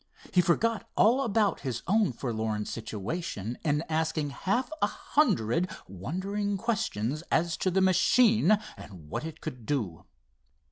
He forgot all about his own forlorn situation in asking half a hundred wondering questions as to the machine and what it could do.